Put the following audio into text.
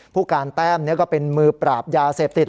ผู้การแต้มก็เป็นมือปราบยาเสพติด